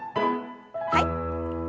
はい。